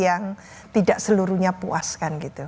yang tidak seluruhnya puas kan gitu